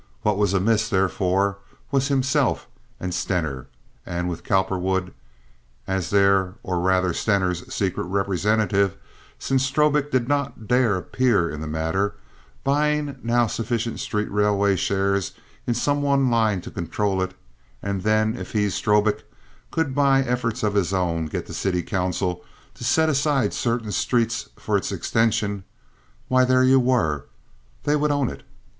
What was amiss, therefore, with himself and Stener and with Cowperwood as their—or rather Stener's secret representative, since Strobik did not dare to appear in the matter—buying now sufficient street railway shares in some one line to control it, and then, if he, Strobik, could, by efforts of his own, get the city council to set aside certain streets for its extension, why, there you were—they would own it.